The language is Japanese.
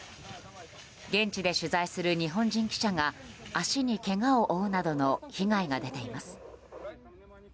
現地で取材する日本人記者が足にけがを負うなどの被害が出ています。